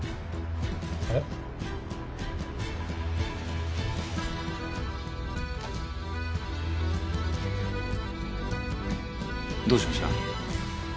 えっ？どうしました？